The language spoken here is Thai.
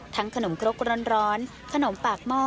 ขนมครกร้อนขนมปากหม้อ